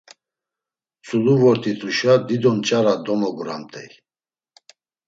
Tzulu vort̆ituşa dido nç̌ara domoguramt̆ey.